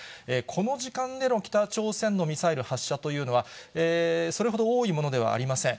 この時間での北朝鮮のミサイル発射というのは、それほど多いものではありません。